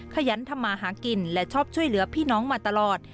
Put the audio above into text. ขยันทำมาหากินและชอบช่วยเหลือพี่น้องมาตลอด